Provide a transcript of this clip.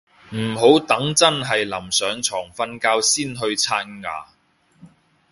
唔好等真係臨上床瞓覺先去刷牙